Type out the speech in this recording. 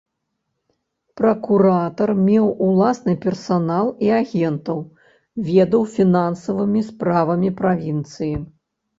Пракуратар меў уласны персанал і агентаў, ведаў фінансавымі справамі правінцыі.